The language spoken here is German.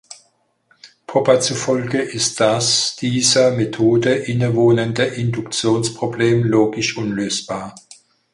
Popper zufolge ist das dieser Methode innewohnende Induktionsproblem logisch unlösbar.